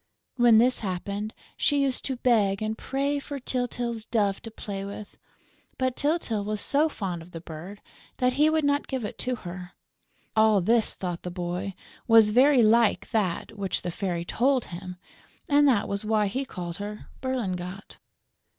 When this happened, she used to beg and pray for Tyltyl's dove to play with; but Tyltyl was so fond of the bird that he would not give it to her. All this, thought the little boy, was very like that which the Fairy told him; and that was why he called her Berlingot.